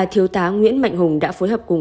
thiếu tá nguyễn mạnh hùng đã phối hợp cùng